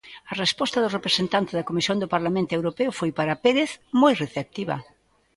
A resposta do representante da comisión do Parlamento Europeo foi, para Pérez, moi receptiva.